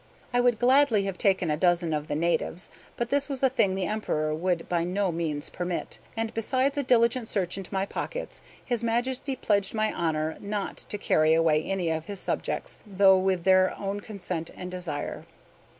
I would gladly have taken a dozen of the natives; but this was a thing the Emperor would by no means permit, and besides a diligent search into my pockets, his Majesty pledged my honor not to carry away any of his subjects, though with their own consent and desire.